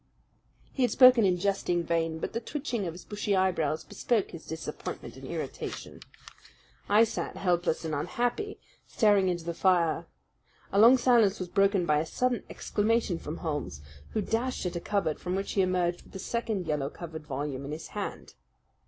He had spoken in jesting vein, but the twitching of his bushy eyebrows bespoke his disappointment and irritation. I sat helpless and unhappy, staring into the fire. A long silence was broken by a sudden exclamation from Holmes, who dashed at a cupboard, from which he emerged with a second yellow covered volume in his hand.